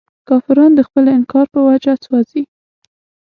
کافران د خپل انکار په وجه سوځي.